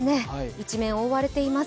一面覆われています。